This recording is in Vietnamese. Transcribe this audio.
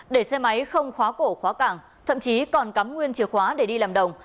để xe máy không khóa cổ khóa cảng thậm chí còn cắm nguyên chìa khóa để đi làm đồng